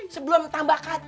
sebelum tambah kacau ustadz